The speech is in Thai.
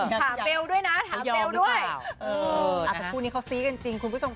ถามเบลด้วยนะถามเบลด้วยเอออาจจะคู่นี้เขาซี้กันจริงคุณผู้ชมค่ะ